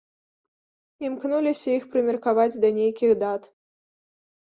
Імкнуліся іх прымеркаваць да нейкіх дат.